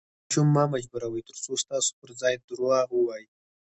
ماشوم مه مجبوروئ، ترڅو ستاسو پر ځای درواغ ووایي.